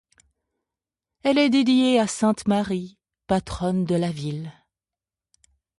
Elle est dédiée à sainte Marie, patronne de la ville.